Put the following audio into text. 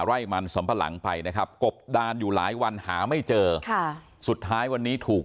ไล่มันสมพลังกลับดานอยู่หลายวันหาไม่เจอสุดท้ายวันนี้ถูก